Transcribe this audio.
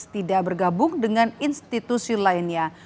tidak bergabung dengan institusi lainnya